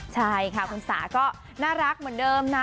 ใช่ค่ะคุณสาก็น่ารักเหมือนเดิมนะ